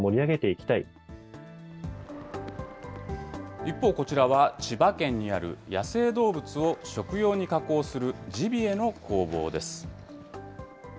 一方、こちらは千葉県にある野生動物を食用に加工するジビエの工房です。